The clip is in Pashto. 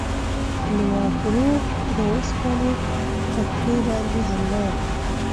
بلواګرو د اوسپنې پټلۍ باندې حمله وکړه.